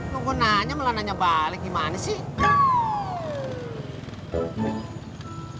gue ga pernah nanya balik gimana sih